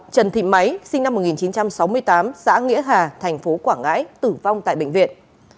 sáu trần thị máy sinh năm một nghìn chín trăm sáu mươi tám xã nghĩa hà tp quảng ngãi tử vong tại bệnh viện